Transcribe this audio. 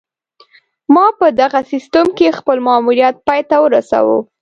ما په دغه سیستم کې خپل ماموریت پای ته ورسوو